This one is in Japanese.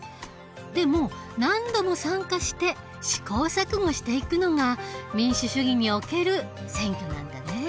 でも何度も参加して試行錯誤していくのが民主主義における選挙なんだね。